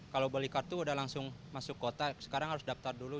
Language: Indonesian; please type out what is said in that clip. kalau beli kartu udah langsung masuk kota sekarang harus daftar dulu